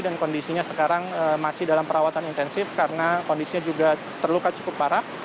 dan kondisinya sekarang masih dalam perawatan intensif karena kondisinya juga terluka cukup parah